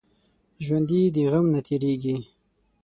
ژوندي د غم نه تېریږي